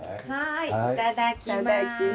いただきます！